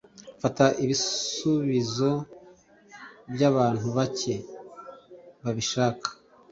fata ibisubizo by abantu bake babishaka